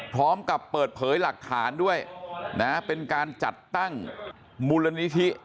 พร้อมกับเปิดเผยหลักฐานด้วยนะเป็นการจัดตั้งมูลนิธิ